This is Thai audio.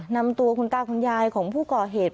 นำตัวคุณตาคุณยายของผู้ก่อเหตุ